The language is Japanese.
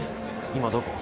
今どこ？